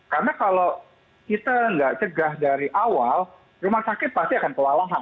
karena kalau kita tidak cegah dari awal rumah sakit pasti akan kewalahan